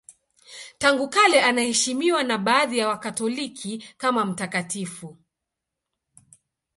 Tangu kale anaheshimiwa na baadhi ya Wakatoliki kama mtakatifu.